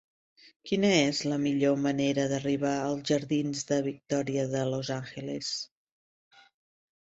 Quina és la millor manera d'arribar als jardins de Victoria de los Ángeles?